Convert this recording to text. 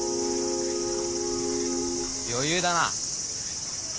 余裕だな。